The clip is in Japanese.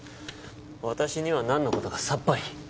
私にはなんの事かさっぱり。